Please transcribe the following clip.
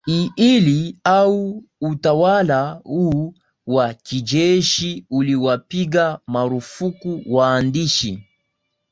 hi hili au utawala huu wa kijeshi uliwapiga marufuku waandishi